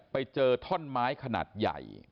ไปเจอท่อนไม้ขนาดใหญ่